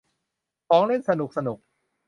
ของเล่นสนุกสนุก